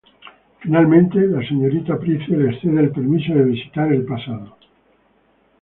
Finalmente, la señorita Price les cede el permiso de visitar el pasado.